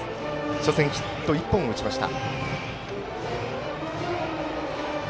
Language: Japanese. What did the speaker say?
初戦ヒット１本を打ちました。